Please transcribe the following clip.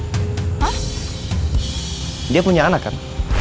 iya dia punya anaknya kan